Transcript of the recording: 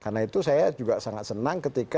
karena itu saya juga sangat senang ketika